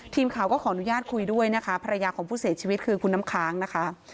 ทีมข่าวก็ขออนุญาตคุยด้วยนะคะภรรยาของผู้เสียชีวิตคือคุณน้ำค้างนะคะ